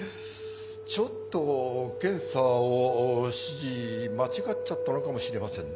ちょっと検査を指示間違っちゃったのかもしれませんね。